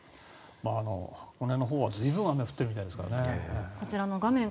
箱根のほうは随分雨が降っているみたいですね。